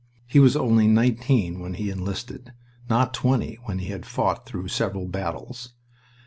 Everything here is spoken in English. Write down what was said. He was only nineteen when he enlisted, not twenty when he had fought through several battles.